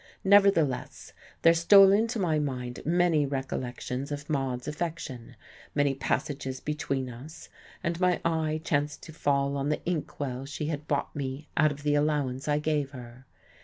Nevertheless, there stole into my mind many recollections of Maude's affection, many passages between us; and my eye chanced to fall on the ink well she had bought me out of the allowance I gave her.